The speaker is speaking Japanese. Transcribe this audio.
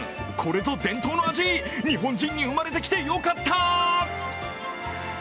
これぞ伝統の味、日本人に生まれてきてよかった！